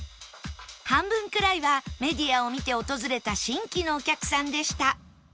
半分くらいはメディアを見て訪れた新規のお客さんでした